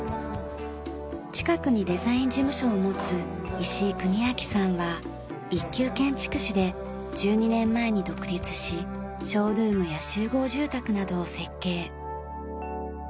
近くにデザイン事務所を持つ石井邦明さんは一級建築士で１２年前に独立しショールームや集合住宅などを設計。